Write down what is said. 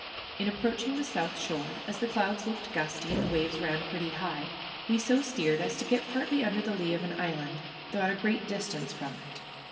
In approaching the south shore, as the clouds looked gusty and the waves ran pretty high, we so steered as to get partly under the lee of an island, though at a great distance from it.